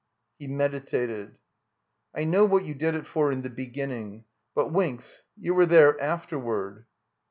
He meditated. "I know what you did it for in the beginning. But — Winks — ^you were there afterward.'